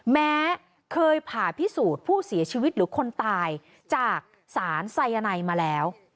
แม้เคยผ่าพิสูจน์ผู้เสียชีวิตหรือคนตายจากสารไซยาไนมาแล้ว